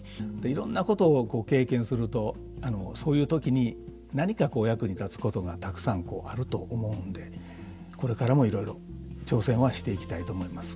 いろんなことを経験するとそういう時に何かこう役に立つことがたくさんあると思うんでこれからもいろいろ挑戦はしていきたいと思います。